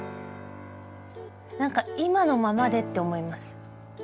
何か今のままでって思います。